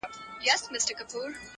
یا د جنګ پر ډګر موږ پهلواني کړه!!